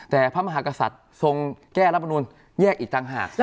แต่พระมหากษัตริย์ทรงแก้รัฐมนุนแยกอีกต่างหาก